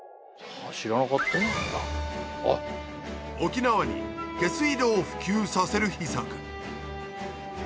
沖縄に下水道を普及させる秘策。